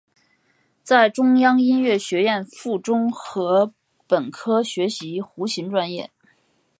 在中央音乐学院附中和本科学习胡琴专业。